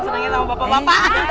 seringin sama bapak bapak